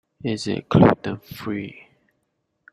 Is it gluten-free?